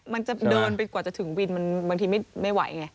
มันจะเดินไปกว่าจะถึงวินมันบางทีไม่ไหวไง